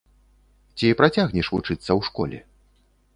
Ці працягнеш вучыцца ў школе?